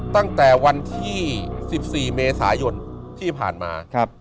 ตั้งแต่วันที่๑๔เมษายนที่ผ่านมา